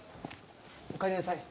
おかえりなさい。